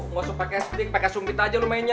ngusuk pake stick pake sumbit aja lo mainnya